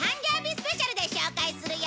スペシャルで紹介するよ！